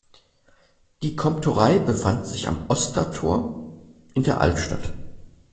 Die Komturei befand sich am Ostertor in der Altstadt.